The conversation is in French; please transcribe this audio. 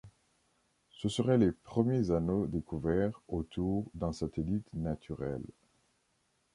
Ce seraient les premiers anneaux découverts autour d'un satellite naturel.